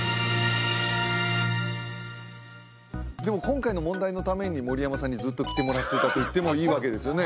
でも今回の問題のために盛山さんにずっと着てもらっていたといってもいいわけですよね